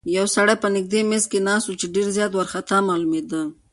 یو سړی په نږدې میز کې ناست و چې ډېر زیات وارخطا معلومېده.